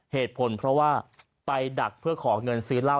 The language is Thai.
เหตุผลเพราะว่าไปดักเพื่อขอเงินซื้อเหล้า